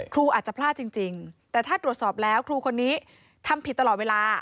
ครูอาจจะพลาดจริงแต่ถ้าตรวจสอบแล้วครูคนนี้ทำผิดตลอดเวลา